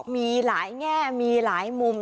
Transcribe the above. มีหลายแง่มีหลายมุม